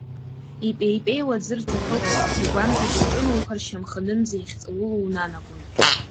Ипеипеиуа аӡы рҭатәоуп, цқьа игәамҭакәа уҿынаухар, шьамханынӡа иахьҵаулоу унанагоит.